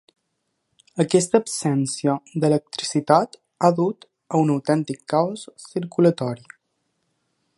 Aquesta absència d’electricitat ha dut a un autèntic caos circulatori.